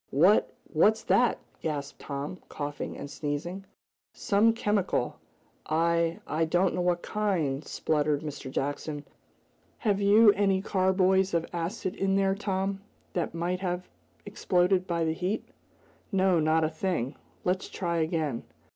"What what's that?" gasped Tom, coughing and sneezing. "Some chemical I I don't know what kind," spluttered Mr. Jackson. "Have you any carboys of acid in there Tom, that might have exploded by the heat?" "No; not a thing. Let's try again."